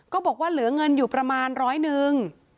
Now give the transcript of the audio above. บอกว่าเหลือเงินอยู่ประมาณร้อยหนึ่ง